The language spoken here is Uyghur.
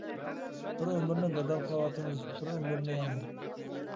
بىر ئۆمۈرنى بەدەل قىلىۋاتىمىز، بىر ئۆمۈرنى يەنى.